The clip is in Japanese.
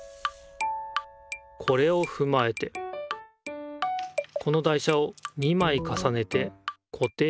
これをふまえてこの台車を２まいかさねてこていしてみる。